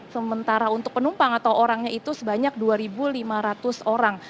sementara untuk penumpang atau orangnya itu sebanyak dua lima ratus orang